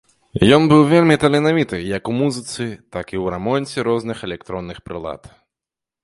Ён быў вельмі таленавіты як у музыцы, так і ў рамонце розных электронных прылад.